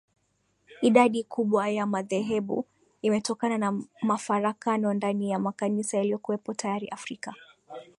Idadi kubwa ya madhehebu imetokana na mafarakano ndani ya makanisa yaliyokuwepo tayari Afrika